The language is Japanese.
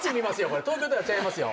これ東京タワーちゃいますよ